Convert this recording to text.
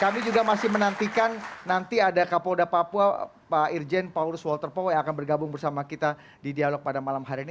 kami juga masih menantikan nanti ada kapolda papua pak irjen paurus walter powe yang akan bergabung bersama kita di dialog pada malam hari ini